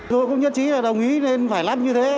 tôi cũng nhất trí là đồng ý nên phải lắp như thế